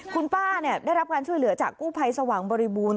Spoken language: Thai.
คุณป้าได้รับการช่วยเหลือจากกู้ภัยสว่างบริบูรณ